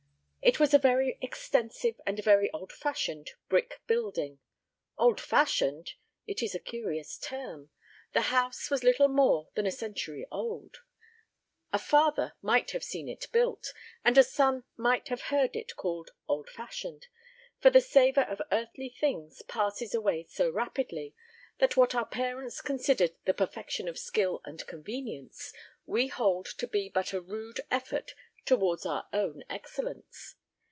It was a very extensive and very old fashioned brick building. Old fashioned! It is a curious term. The house was little more than a century old; a father might have seen it built, and a son might have heard it called old fashioned, for the savour of earthly things passes away so rapidly, that what our parents considered the perfection of skill and convenience, we hold to be but a rude effort towards our own excellence.